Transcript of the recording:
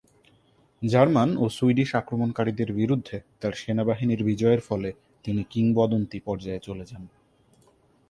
German ও Swedish আক্রমণকারীদের বিরুদ্ধে তার সেনাবাহিনীর বিজয়ের ফলে তিনি কিংবদন্তি পর্যায়ে চলে যান।